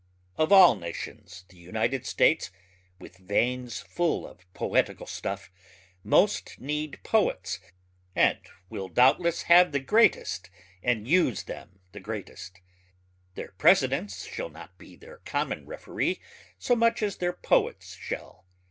Of all nations the United States with veins full of poetical stuff most need poets and will doubtless have the greatest and use them the greatest. Their Presidents shall not be their common referee so much as their poets shall.